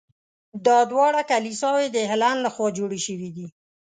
دا دواړه کلیساوې د هیلن له خوا جوړې شوي دي.